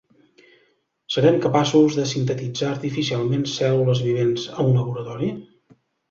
Serem capaços de sintetitzar artificialment cèl·lules vivents a un laboratori?